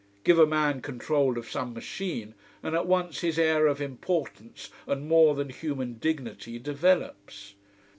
Give a man control of some machine, and at once his air of importance and more than human dignity develops.